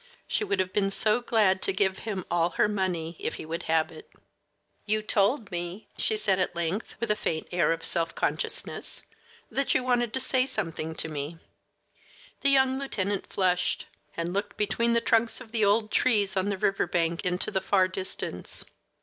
She would have been so glad to give him all her money if he would have it. "You told me," she said at length, with a faint air of self consciousness, "that you wanted to say something to me." The young lieutenant flushed, and looked between the trunks of the old trees on the river bank into the far distance.